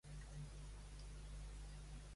Ha estat internacionals amb la selecció paraguaiana.